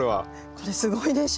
これすごいでしょう。